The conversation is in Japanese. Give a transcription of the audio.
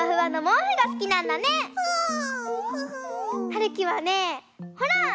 はるきはねほら！